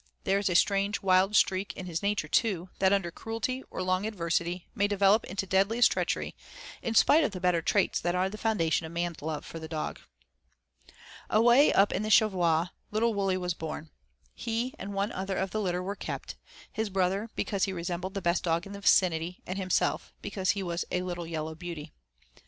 There is a strange, wild streak in his nature too, that under cruelty or long adversity may develop into deadliest treachery in spite of the better traits that are the foundation of man's love for the dog. I Away up in the Cheviots little Wully was born. He and one other of the litter were kept; his brother because he resembled the best dog in the vicinity, and himself because he was a little yellow beauty.